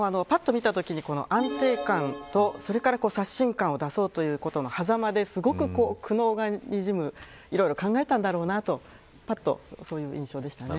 ぱっと見たときに安定感と刷新感を出そうというはざまですごく苦悩がにじむいろいろと考えたんだろうなという印象です。